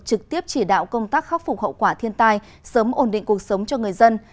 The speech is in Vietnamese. trực tiếp chỉ đạo công tác khắc phục hậu quả thiên tai sớm ổn định cuộc sống cho người dân